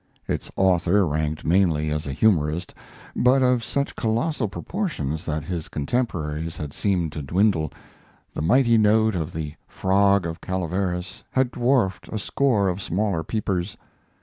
Its author ranked mainly as a humorist, but of such colossal proportions that his contemporaries had seemed to dwindle; the mighty note of the "Frog of Calaveras" had dwarfed a score of smaller peepers.